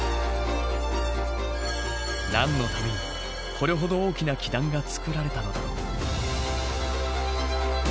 何のためにこれほど大きな基壇が造られたのだろう？